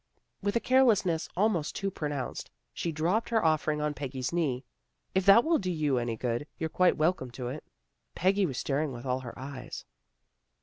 With a carelessness almost too pronounced, she dropped her offer ing on Peggy's knee. " If that will do you any good, you're quite welcome to it." Peggy was staring with all her eyes.